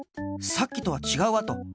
さっきとはちがうあと！